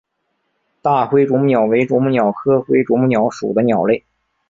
大灰啄木鸟为啄木鸟科灰啄木鸟属的鸟类。